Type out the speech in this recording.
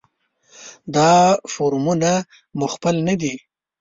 دا فورمونه مو خپل نه دي.